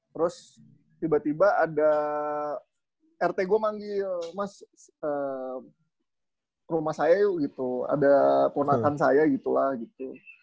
terus tiba tiba ada rt gue manggil mas rumah saya yuk gitu ada ponakan saya gitu lah gitu